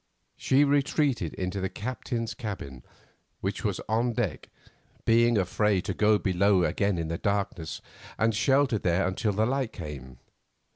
She retreated into the captain's cabin, which was on deck, being afraid to go below again in the darkness, and sheltered there until the light came.